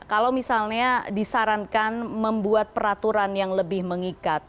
kalau misalnya disarankan membuat peraturan yang lebih mengikat